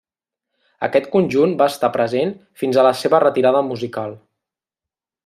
Aquest conjunt va estar present fins a la seva retirada musical.